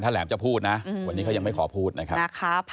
แหลมจะพูดนะวันนี้เขายังไม่ขอพูดนะครับ